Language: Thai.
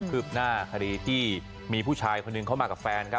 ืบหน้าคดีที่มีผู้ชายคนหนึ่งเข้ามากับแฟนครับ